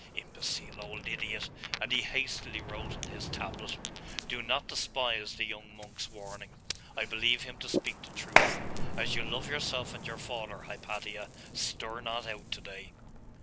'Imbecile old idiot!' and he hastily wrote on his tablet 'Do not despise the young monk's warning. I believe him to speak the truth. As you love yourself and your father, Hypatia, stir not out to day.